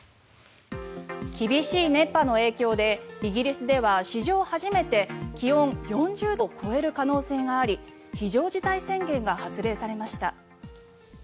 厳しい熱波の影響でイギリスでは史上初めて気温４０度を超える可能性があり非常事態宣言が発令されました。